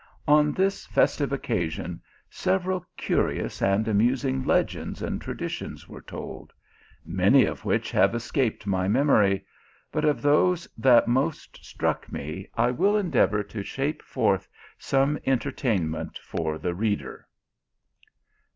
On this festive occasion several curious and amus ing legends and traditions were told ; many of which have escaped my memory ; but of those that most struck me, I will endeavour to shape forth some en tertainment for the reader.